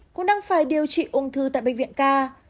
cũng đang phải điều trị ung thư tại bệnh viện ca